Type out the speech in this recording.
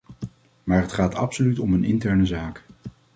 Maar het gaat absoluut om een interne zaak.